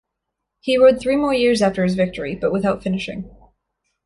He rode three more years after his victory but without finishing.